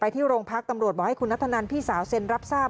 ที่โรงพักตำรวจบอกให้คุณนัทธนันพี่สาวเซ็นรับทราบ